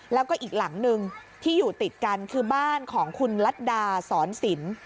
แล้วก็อีกหลังหนึ่งที่อยู่ติดกันคือบ้านของคุณลัดดาสอนสิน